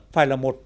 phải là một